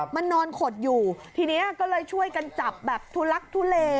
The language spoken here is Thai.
มันนอนขดอยู่ทีนี้ก็เลยช่วยกันจับแบบทุลักทุเล